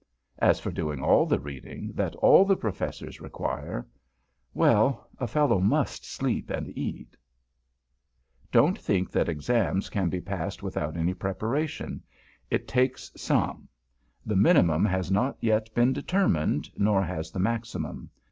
As for doing all the reading that all the Professors require well, a fellow must sleep and eat. [Sidenote: WORKING FOR EXAMS] Don't think that Exams can be passed without any preparation. It takes some. The minimum has not yet been determined; nor has the maximum.